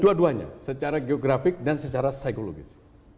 dua duanya secara geografik dan secara psikologis